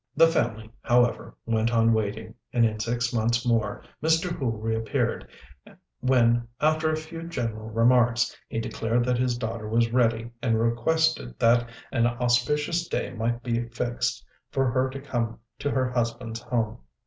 The family, however, went on waiting, and in six months more Mr. Hu reappeared, when, after a few general remarks, he declared that his daughter was ready, and requested that an auspicious day might be fixed for her to come to her husband's home.